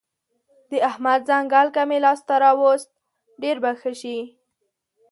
د احمد ځنګل که مې لاس ته راوست؛ ډېر به ښه شي.